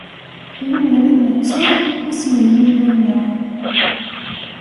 Lemmer i nettu isem n Yillu-nneɣ.